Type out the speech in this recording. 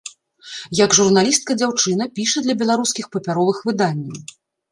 Як журналістка дзяўчына піша для беларускіх папяровых выданняў.